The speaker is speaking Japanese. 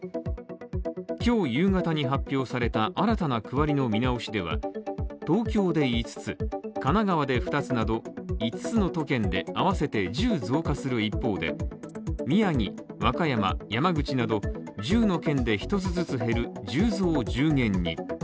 今日夕方に発表された新たな区割りの見直しでは、東京で５つ、神奈川で２つなど５つの都県で合わせて１０増加する一方で宮城、和歌山、山口など１０の県で１つずつ減る１０増１０減に。